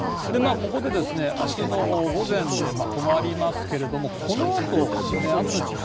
ここで明日の午前で止まりますがこのあと雨の中心